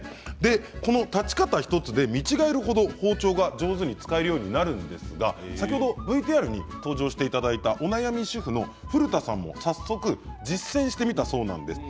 この立ち方１つで見違える程包丁が上手に使えるようになるんですが先ほど、ＶＴＲに登場していただいたお悩み主婦の古田さんも早速、実践してみたそうなんです。